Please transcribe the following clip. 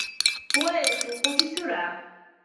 هو يسوق بسرعة.